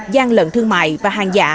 gian lận thương mại và hàng giả